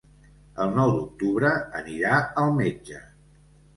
El nou d'octubre anirà al metge.